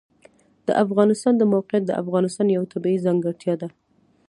د افغانستان د موقعیت د افغانستان یوه طبیعي ځانګړتیا ده.